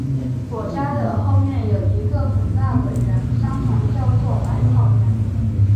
我家的后面有一个很大的园，相传叫作百草园